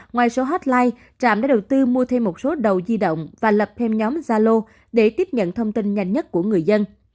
ngoài số hotline trạm đã đầu tư mua thêm một số đầu di động và lập thêm nhóm gia lô để tiếp nhận thông tin nhanh nhất của người dân